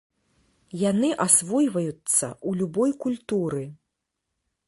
Яны асвойваюцца ў любой культуры.